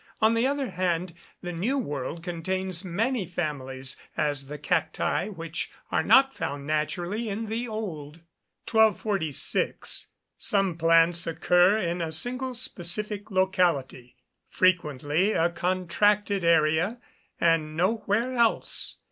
On the other hand, the New World contains many families, as the Cacti, which are not found naturally in the Old. 1246. Some plants occur in a single specific locality, frequently a contracted area, and nowhere else.